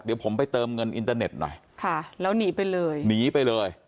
เดี๋ยวผมไปเติมเงินอินเตอร์เน็ตหน่อยค่ะแล้วหนีไปเลยหนีไปเลย